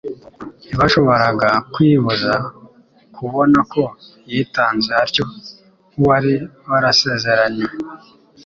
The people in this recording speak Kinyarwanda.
ntibashoboraga kwibuza kubona ko yitanze atyo nk'uwari warasezeranywe.